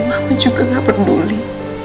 mama juga gak peduli